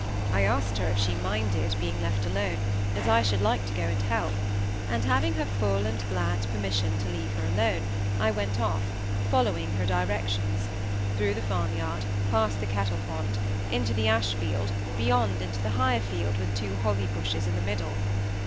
I asked her if she minded being left alone, as I should like to go and help; and having her full and glad permission to leave her alone, I went off, following her directions: through the farmyard, past the cattle pond, into the ashfield, beyond into the higher field with two holly bushes in the middle.